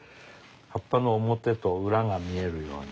葉っぱの表と裏が見えるように。